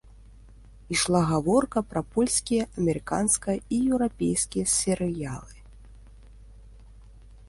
Ішла гаворка пра польскія, амерыканскія і еўрапейскія серыялы.